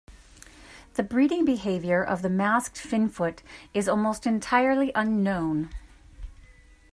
The breeding behaviour of the masked finfoot is almost entirely unknown.